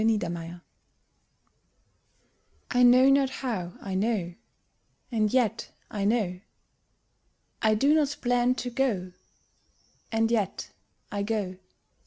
FATE I know not how I know, And yet I know. I do not plan to go, And yet I go.